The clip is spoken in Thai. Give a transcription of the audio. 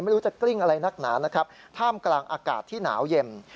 ไม่รู้จะกลิ้งอะไรนักหนานะครับท่ามกลางอากาศที่หนาวเย็น